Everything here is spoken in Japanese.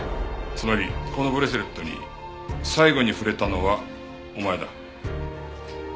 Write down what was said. つまりこのブレスレットに最後に触れたのはお前だ。